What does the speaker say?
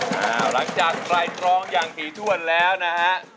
หลังจากไตรตรองอย่างถี่ถ้วนแล้วนะฮะ